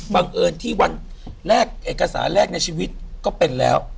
บังเอิญที่วันแรกเอกสารแรกในชีวิตก็เป็นแล้ว